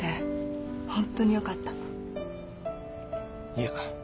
いや。